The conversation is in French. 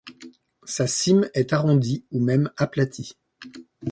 Sa cime est arrondie ou même aplatie.